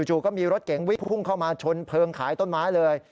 จู่ก็มีรถเก๋งวิ่งพุ่งเข้ามาชนเพลิงขายต้นไม้เลย